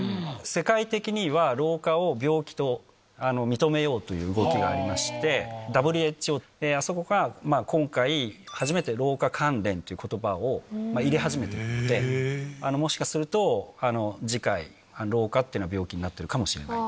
世界的には、老化を病気と認めようという動きがありまして、ＷＨＯ、あそこが今回、初めて老化関連ということばを入れ始めているので、もしかすると次回、老化っていうのは病気になってるかもしれない。